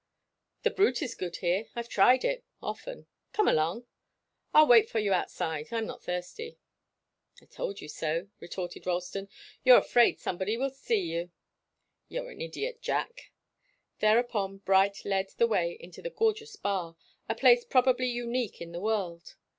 "The Brut is good here. I've tried it often. Come along." "I'll wait for you outside. I'm not thirsty." "I told you so," retorted Ralston. "You're afraid somebody will see you." "You're an idiot, Jack!" Thereupon Bright led the way into the gorgeous bar, a place probably unique in the world.